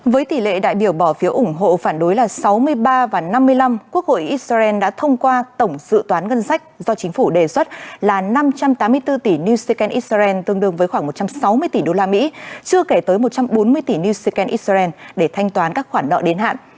với tỷ lệ đại biểu bỏ phiếu ủng hộ phản đối là sáu mươi ba và năm mươi năm quốc hội israel đã thông qua tổng dự toán ngân sách do chính phủ đề xuất là năm trăm tám mươi bốn tỷ new second israel tương đương với khoảng một trăm sáu mươi tỷ đô la mỹ chưa kể tới một trăm bốn mươi tỷ new second israel để thanh toán các khoản nợ đến hạn